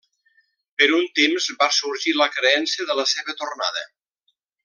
Per un temps va sorgir la creença de la seva tornada.